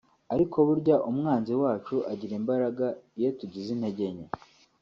Ariko burya umwanzi wacu agira imbaraga iyo tugize intege nke